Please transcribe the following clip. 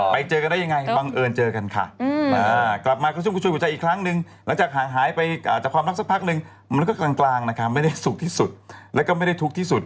ไปเจอกันได้ยังไงบังเอิญเจอกันค่ะกลับมากระชุ่มกระชวยหัวใจอีกครั้งนึงหลังจากห่างหายไปจากความรักสักพักนึงมันก็กลางนะคะไม่ได้สุขที่สุดแล้วก็ไม่ได้ทุกข์ที่สุด